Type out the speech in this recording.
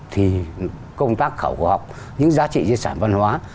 thì công tác khảo cổ học những giá trị di sản văn hóa